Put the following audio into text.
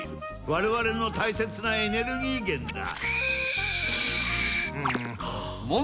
我々の大切なエネルギー源だ。